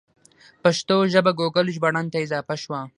پښتو ژبه ګوګل ژباړن ته اضافه شوه.